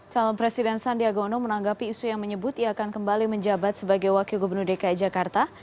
calon presiden sandiaga uno menanggapi isu yang menyebut ia akan kembali menjabat sebagai wakil gubernur dki jakarta